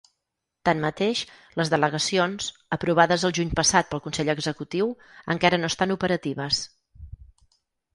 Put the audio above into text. Tanmateix, les delegacions, aprovades el juny passat pel consell executiu, encara no estan operatives.